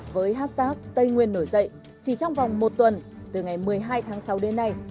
với hashtag tây nguyên nổi dậy chỉ trong vòng một tuần từ ngày một mươi hai tháng sáu đến nay